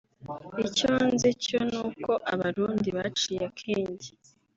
icyo nzi cyo ni uko Abarundi baciye akenge”